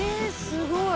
すごい。